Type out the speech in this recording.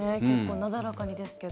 なだらかにですけど。